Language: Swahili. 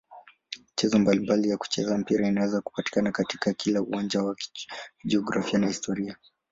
Michezo mbalimbali ya kuchezea mpira inaweza kupatikana katika kila uwanja wa jiografia na historia.